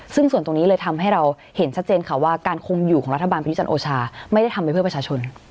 ซึ่งส่วนตรงนี้เลยทำให้เราเห็นชัดเจนค่ะว่าการคุมอยู่ของรัฐบาลประยุจันทร์โอชาไม่ได้ทำไปเพื่อประชาชน